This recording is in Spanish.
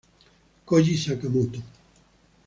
Koji Sakamoto